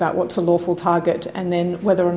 tentang target yang benar dan kemudian